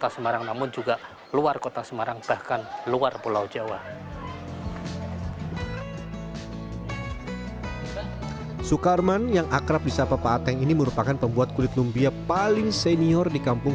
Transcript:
sukarman yang akrab di sapa pak ateng ini merupakan pembuat kulit lumpia paling senior di kampung